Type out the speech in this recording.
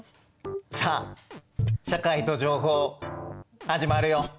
さあ「社会と情報」始まるよ。